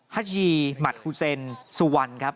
ฮัชยีหมัดฮูเซนสุวรรณครับ